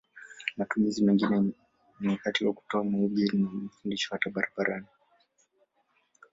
Matumizi mengine ni wakati wa kutoa mahubiri na mafundisho hata barabarani.